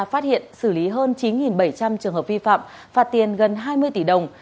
phát hiện xử lý hơn chín bảy trăm linh trường hợp vi phạm phạt tiền gần hai mươi tỷ đồng